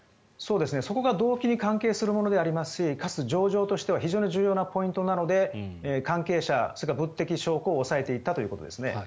そこが動機に関係するものでありますしかつ情状としては非常に重要なポイントなので関係者、それから物的証拠を押さえていったということですね。